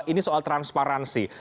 ini soal transparansi